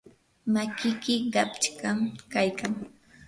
makiki qachqam kaykan.